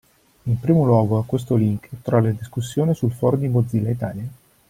In primo luogo a questo link trovi la discussione sul forum di Mozilla Italia.